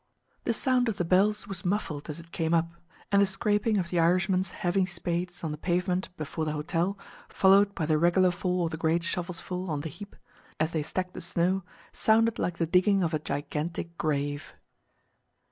The sound of the bells was muffled as it came up, and the scraping of the Irishmen's heavy spades on the pavement before the hotel followed by the regular fall of the great shovels full on the heap, as they stacked the snow, sounded like the digging of a gigantic grave.